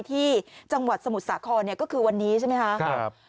ที่จังหวัดสมุทรสาครก็คือวันนี้ใช่ไหมคะ